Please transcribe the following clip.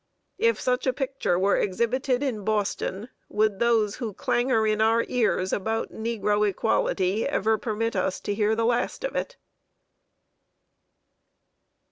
If such a picture were exhibited in Boston, would those who clamor in our ears about negro equality ever permit us to hear the last of it?